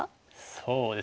そうですね